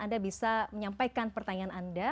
anda bisa menyampaikan pertanyaan anda